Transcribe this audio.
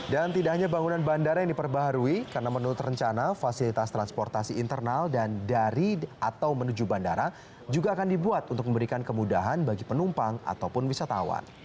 dan tidak hanya bangunan bandara yang diperbaharui karena menurut rencana fasilitas transportasi internal dan dari atau menuju bandara juga akan dibuat untuk memberikan kemudahan bagi penumpang ataupun wisatawan